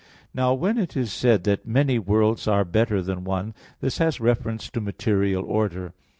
Now when it is said that many worlds are better than one, this has reference to material order.